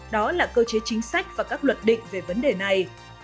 đó là cơ chế chính sách và các luật định về vấn đề này